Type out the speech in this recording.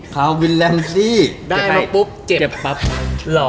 คาวินแรมซี่เจ็บปั๊บหรอ